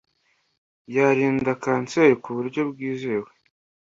yarinda kanseri ku buryo bwizewe